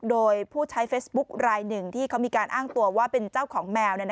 โดยผู้ใช้เฟซบุ๊คลายหนึ่งที่เขามีการอ้างตัวว่าเป็นเจ้าของแมว